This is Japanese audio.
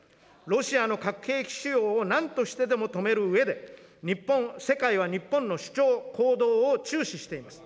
ロシアの核兵器使用をなんとしてでも止めるうえで、世界は日本の主張・行動を注視しています。